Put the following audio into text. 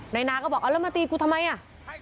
นายนาก็บอกเอาแล้วมาตีกูทำไมอ่ะ